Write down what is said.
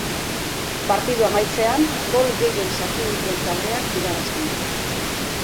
Partidua amaitzean, gol gehien sartu dituen taldeak irabazten du.